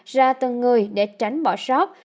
ra tầng người để tránh bỏ sót